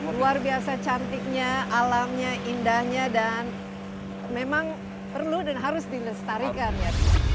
luar biasa cantiknya alamnya indahnya dan memang perlu dan harus dilestarikan ya